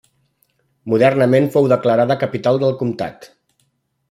Modernament fou declarada capital de comtat.